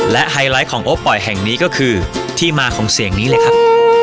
และไฮไลท์ของโอปอยแห่งนี้ก็คือที่มาของเสียงนี้เลยครับ